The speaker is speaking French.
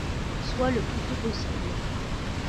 Soit, le plus tôt possible!